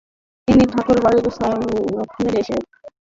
তিনি ঠাকুরবাড়ির সংস্পর্শে এসে ব্রহ্মসঙ্গীতও রচনা করেছেন।